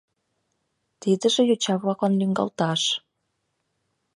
Тидыже йоча-влаклан лӱҥгалташ.